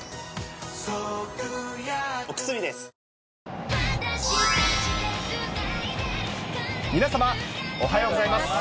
わぁ皆様、おはようございます。